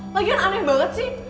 lagian aneh banget sih